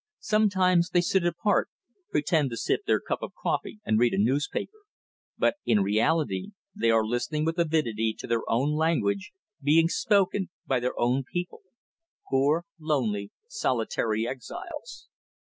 Sometimes they sit apart, pretend to sip their cup of coffee and read a newspaper, but in reality they are listening with avidity to their own language being spoken by their own people poor, lonely, solitary exiles.